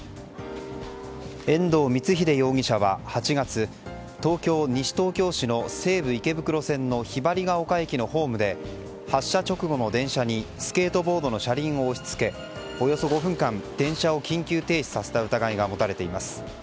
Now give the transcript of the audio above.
遠藤光英容疑者は８月東京・西東京市の西武池袋線のひばりヶ丘駅のホームで発車直後の電車にスケートボードの車輪を押し付けおよそ５分間、電車を緊急停止させた疑いが持たれています。